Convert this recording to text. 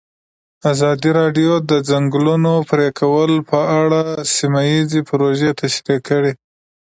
ازادي راډیو د د ځنګلونو پرېکول په اړه سیمه ییزې پروژې تشریح کړې.